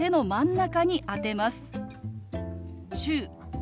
「中」。